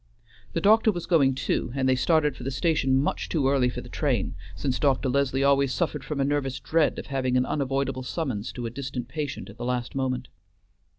The doctor was going too, and they started for the station much too early for the train, since Dr. Leslie always suffered from a nervous dread of having an unavoidable summons to a distant patient at the last moment.